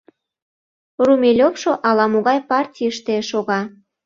Румелёвшо ала-могай партийыште шога...